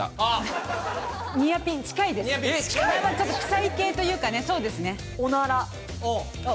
臭い系というかそうですね。